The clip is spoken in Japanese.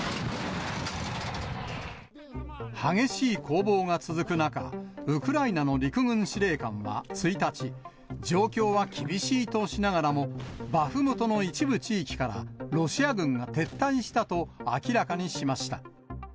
激しい攻防が続く中、ウクライナの陸軍司令官は１日、状況は厳しいとしながらも、バフムトの一部地域からロシア軍が撤退したと明らかにしました。